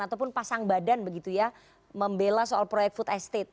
ataupun pasang badan begitu ya membela soal proyek food estate